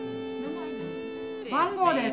番号です。